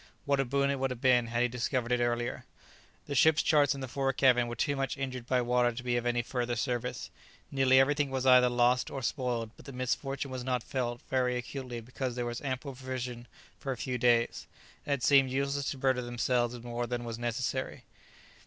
What a boon it would have been had he discovered it earlier! The ship's charts in the fore cabin were too much injured by water to be of any further service. Nearly everything was either lost or spoiled, but the misfortune was not felt very acutely because there was ample provision for a few days, and it seemed useless to burden themselves with more than was necessary.